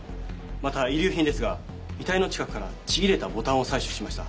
また遺留品ですが遺体の近くからちぎれたボタンを採取しました。